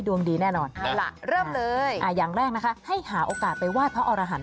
ดวงดีแน่นอนเอาล่ะเริ่มเลยอย่างแรกนะคะให้หาโอกาสไปไหว้พระอรหันธ